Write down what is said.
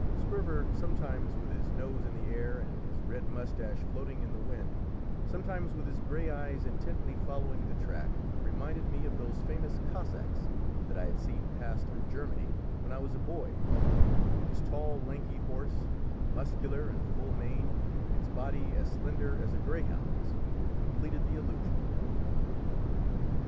Sperver, sometimes with his nose in the air and his red moustache floating in the wind, sometimes with his grey eyes intently following the track, reminded me of those famous Cossacks that I had seen pass through Germany when I was a boy; and his tall, lanky horse, muscular and full maned, its body as slender as a greyhound's, completed the illusion.